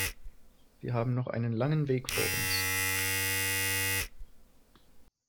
Wir haben noch einen langen Weg vor uns.